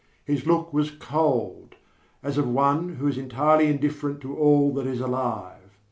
His look was cold, as of one who is entirely indifferent to all that is alive.